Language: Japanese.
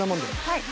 はい。